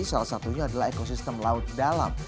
salah satunya adalah ekosistem laut dalam